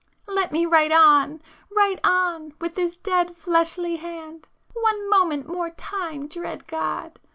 ····· Let me write on,—write on, with this dead fleshly hand, ... one moment more time, dread God!